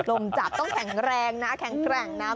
ลมจับต้องแข็งแรงนะแข็งแกร่งนะ